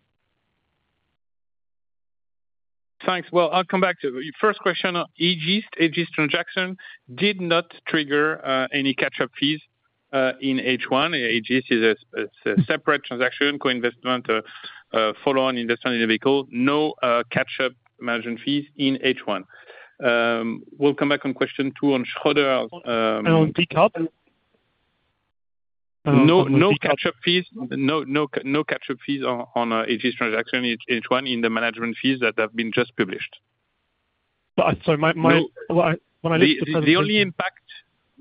Thanks. I'll come back to your first question. The Egis transaction did not trigger any catch up fees in H1. Egis is a separate transaction, co-investment, follow-on investment in a vehicle. No catch up management fees in H1. I'll come back on question two on Schroder. No. Catch up fees on Egis transaction H1 in the management fees that have been just published. So my.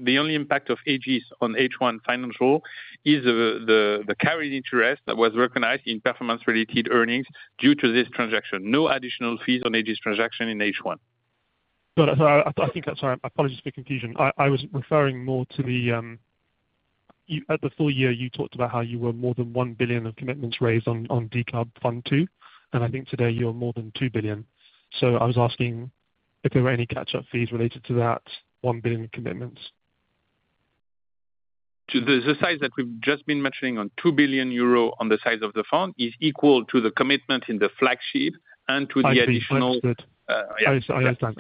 The only impact of Egis on H1 Financial is the carried interest that was recognized in performance-related earnings due to this transaction. No additional fees on Egis transaction in H1. I think that's all right. I apologize for confusion. I was referring more to at the full year you talked about how you were more than 1 billion of commitments raised on decarb fund two, and I think today you're more than 2 billion. I was asking if there were any catch up fees related to that 1 billion commitments. The size that we've just been mentioning on 2 billion euro on the size of the fund is equal to the commitment in the flagship and to the additional.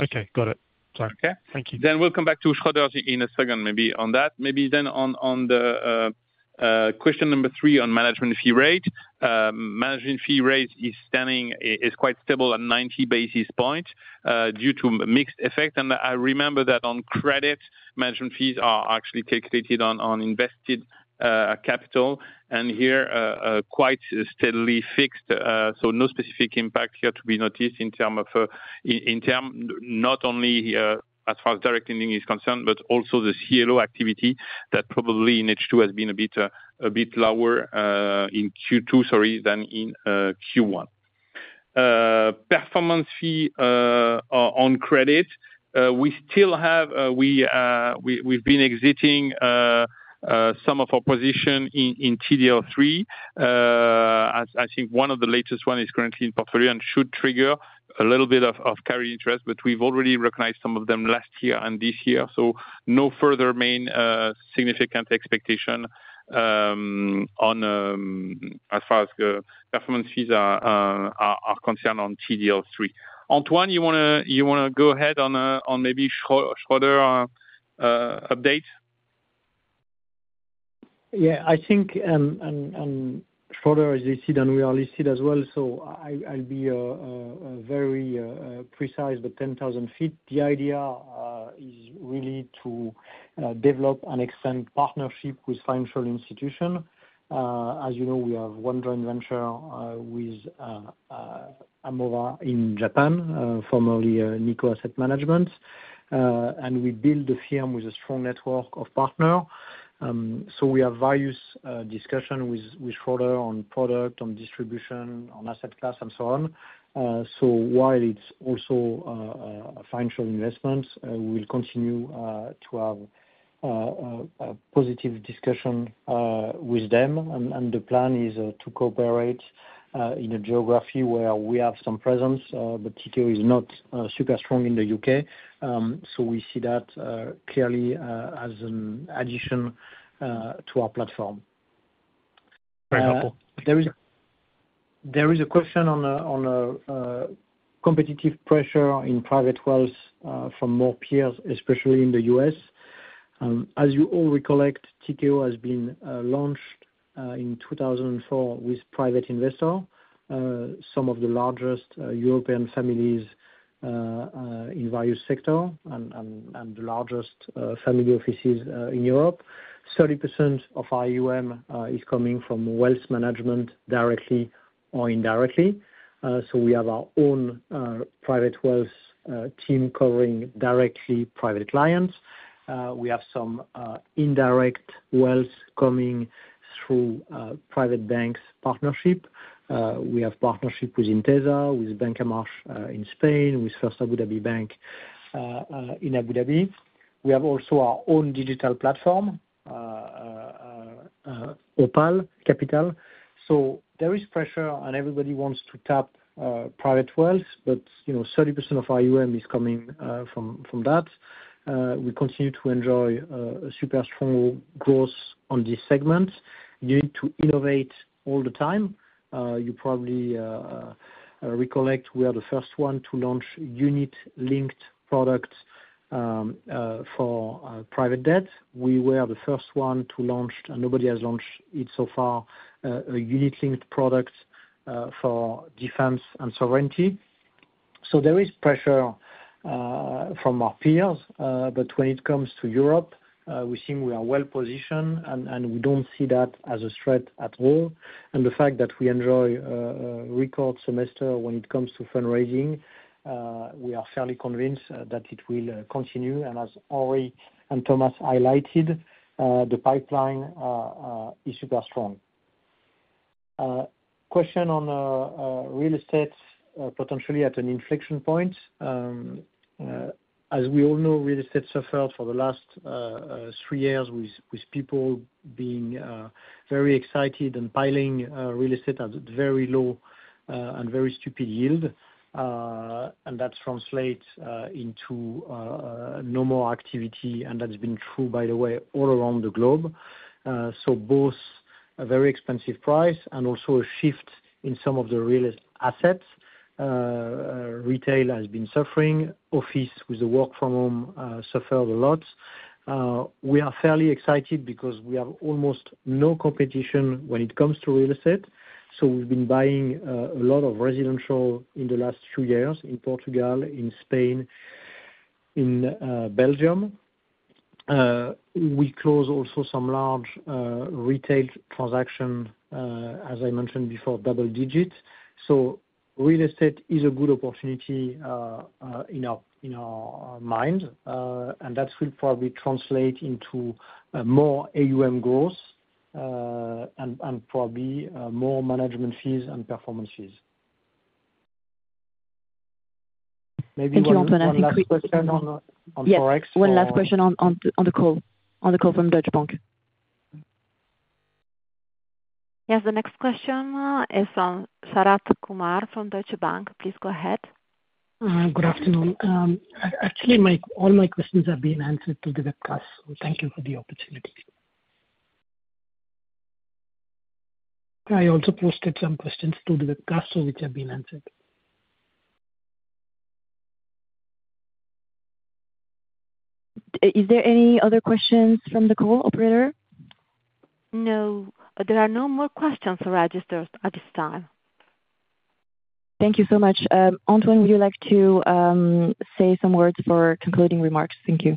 Okay, got it. Thank you. We'll come back to Schroder in a second, maybe on that. Maybe. On question number three on management fee rate, management fee rate is quite stable at 90 basis points due to mixed effect. I remember that on credit, management fees are actually calculated on invested capital and here quite steadily fixed. No specific impact here to be noticed in term, not only as far as direct lending is concerned, but also the CLO activity that probably in H2 has been a bit lower in Q2 than in Q1. Performance fee on credit, we still have. We've been exiting some of our position in TDL3. I think one of the latest one is currently in portfolio and should trigger a little bit of carry interest. We've already recognized some of them last year and this year. No further main significant expectation as far as the performance fees are concerned on TDL3. Antoine, you want to go ahead on maybe Schroder update? Yeah, I think Schroder is listed and we are listed as well. I'll be very precise. At 10,000 ft, the idea is really to develop and extend partnership with financial institutions. As you know, we have one joint venture with Amova in Japan, formerly Nikko Asset Management. We build the firm with a strong network of partners. We have various discussions with Schroder on product, on distribution, on asset class, and so on. While it's also a financial investment, we'll continue to have a positive discussion with them. The plan is to cooperate in a geography where we have some presence. Tikehau is not super strong in the United Kingdom, so we see that clearly as an addition to our platform. There is a question on competitive pressure in private wealth from more peers, especially in the U.S., as you all recollect. Tikehau has been launched in 2004 with private investors, some of the largest European families in various sectors, and the largest family offices in Europe. 30% of AuM is coming from wealth management directly or indirectly. We have our own private wealth team covering directly private clients. We have some indirect wealth coming through private banks. We have partnership with Intesa, with Banco March in Spain, with First Abu Dhabi Bank in Abu Dhabi. We have also our own digital platform, Opale Capital. There is pressure and everybody wants to tap private wealth, but 30% of our AuM is coming from that. We continue to enjoy super strong growth on this segment. You need to innovate all the time. You probably recollect we are the first one to launch unit-linked products for private debt. We were the first one to launch, and nobody has launched so far, a unit-linked product for defense and sovereignty. There is pressure from our peers, but when it comes to Europe, we think we are well positioned and we don't see that as a threat at all. The fact that we enjoy a record semester when it comes to fundraising, we are fairly convinced that it will continue. As Henri and Thomas highlighted, the pipeline is super strong. There is a question on real estate potentially at an inflection point. As we all know, real estate suffered for the last three years with people being very excited and piling into real estate at very low and very stupid yield. That translates into normal activity, and that's been true, by the way, all around the globe. Both a very expensive price and also a shift in some of the real assets. Retail has been suffering. Office with the work from home suffered a lot. We are fairly excited because we have almost no competition when it comes to real estate. We have been buying a lot of residential in the last few years in Portugal, in Spain, in Belgium. We close also some large retail transactions, as I mentioned before, double digit. Real estate is a good opportunity in our mind and that will probably translate into more AuM growth and probably more management fees and performance fees. Thank you, Antoine. One last question on the call from Deutsche Bank. Yes, the next question is from Sharath Kumar from Deutsche Bank. Please go ahead. Good afternoon. Actually, all my questions have been answered through the webcast. Thank you for the opportunity. I also posted some questions to the webcast, which have been answered. Are there any other questions from the call operator? No, there are no more questions for registrants at this time. Thank you so much. Antoine, would you like to say some words for concluding remarks? Thank you.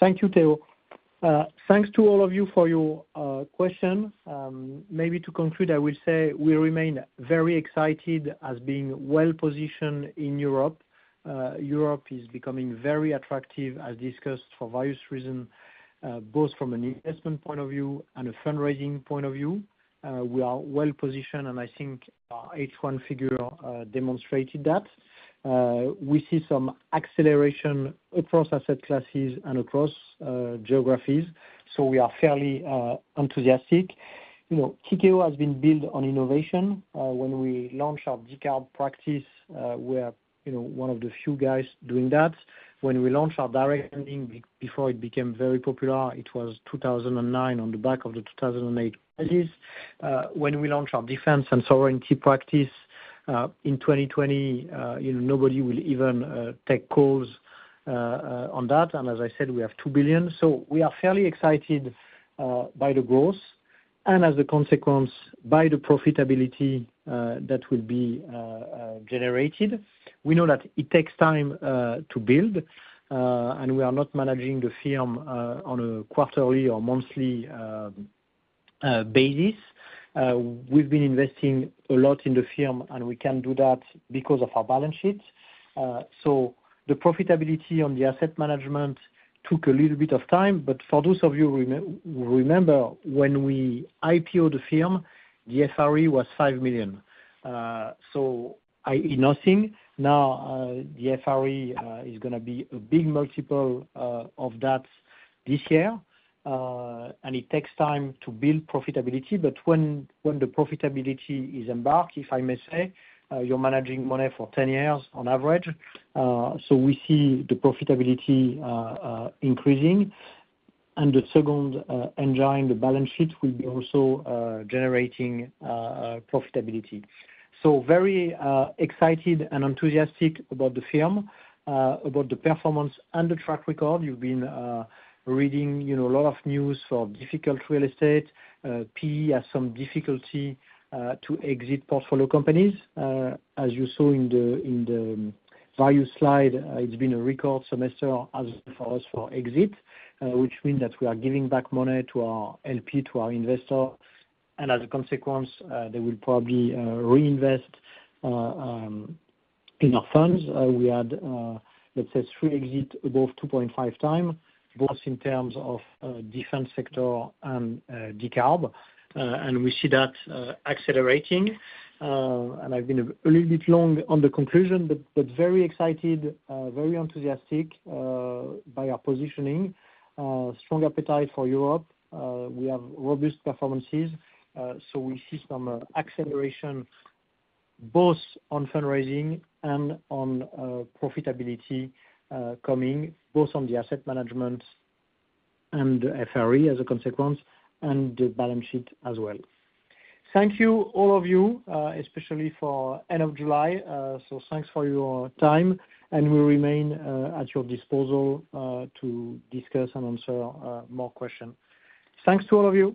Thank you, [Theo]. Thanks to all of you for your question. Maybe to conclude, I will say we remain very excited as being well positioned in Europe. Europe is becoming very attractive, as discussed, for various reasons, both from an investment point of view and a fundraising point of view. We are well positioned, and I think our H1 figure demonstrated that we see some acceleration across asset classes and across geographies. We are fairly enthusiastic. You know, Tikehau has been built on innovation. When we launch our decarbonization practice, we are one of the few guys doing that. When we launch our direct lending before it became very popular, it was 2009, on the back of the 2008 crisis. When we launched our defense and sovereignty practice in 2020, nobody would even take calls on that. As I said, we have 2 billion. We are fairly excited by the growth and, as a consequence, by the profitability that will be generated. We know that it takes time to build, and we are not managing the firm on a quarterly or monthly basis. We've been investing a lot in the firm, and we can do that because of our balance sheet. The profitability on the asset management took a little bit of time. For those of you who remember when we IPO'd the firm, the FRE was 5 million. That is nothing. Now the FRE is going to be a big multiple of that this year, and it takes time to build profitability. When the profitability is embarked, if I may say, you're managing money for 10 years on average. We see the profitability increasing. The second, enjoying the balance sheet will be also generating profitability. Very excited and enthusiastic about the firm, about the performance, and the track record. You've been reading a lot of news for difficult real estate. Private equity has some difficulty to exit portfolio companies, as you saw in the value slide. It's been a record semester as far as for exit, which means that we are giving back money to our LP, to our investor, and as a consequence, they will probably reinvest in our funds. We had, let's say, three exits above 2.5x, both in terms of defense sector and decarbonization, and we see that accelerating. I've been a little bit long on the conclusion, but very excited, very enthusiastic by our positioning. Strong appetite for Europe. We have robust performances. We see some acceleration both on fundraising and on profitability, coming both on the asset management and FRE as a consequence, and the balance sheet as well. Thank you all of you, especially for end of July. Thanks for your time, and we remain at your disposal to discuss and answer more questions. Thanks to all of you.